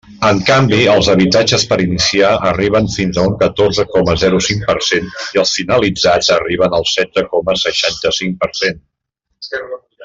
En canvi, els habitatges per iniciar arriben fins a un catorze coma zero cinc per cent i els finalitzats arriben al setze coma seixanta-cinc per cent.